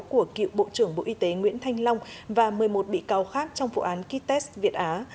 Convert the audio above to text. của cựu bộ trưởng bộ y tế nguyễn thanh long và một mươi một bị cáo khác trong vụ án kites việt á